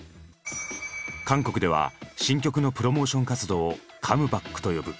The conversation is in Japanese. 韓国では新曲のプロモーション活動を「カムバック」と呼ぶ。